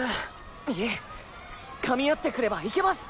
いえかみ合ってくればいけます！